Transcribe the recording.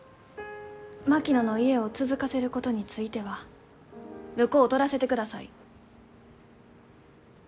槙野の家を続かせることについては婿を取らせてください。